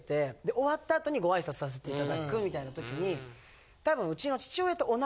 終わった後にご挨拶させて頂くみたいな時にたぶん。